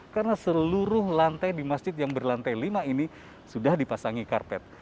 karena seluruh lantai di masjid yang berlantai lima ini sudah dipasangi karpet